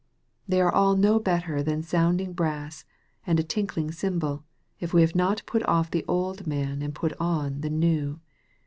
They are all no better than sounding brass, and a tinkling cymbal, if we have not put off the old man, and put on the new.